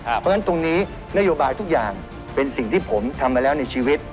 เพราะฉะนั้นตรงนี้นโยบายทุกอย่างเป็นสิ่งที่ผมทำมาแล้วในชีวิต